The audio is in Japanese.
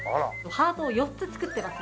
ハートを４つ作ってます